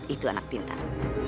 itu anak pintar